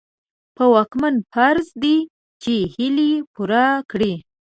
په واکمن فرض دي چې هيلې پوره کړي.